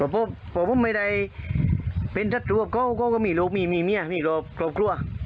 ผมผมไม่ได้เป็นทัศน์รวบก็ก็มีโรคมีมีเมียมีโรคกลบครัว